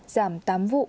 giảm tám vụ